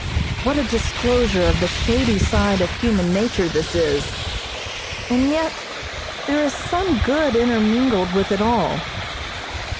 What a disclosure of the shady side of human nature this is, and yet there is some good intermingled with it all.